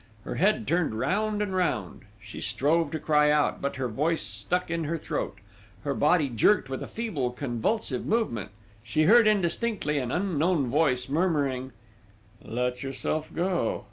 Her head turned round and round ... she strove to cry out, but her voice stuck in her throat: her body jerked with a feeble convulsive movement. She heard indistinctly an unknown voice murmuring: "Let yourself go!...